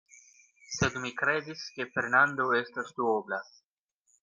Sed mi kredis, ke Fernando estas duobla.